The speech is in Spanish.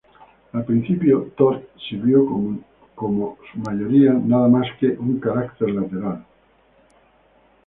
Al principio, Todd sirvió como su mayoría nada más que un carácter lateral.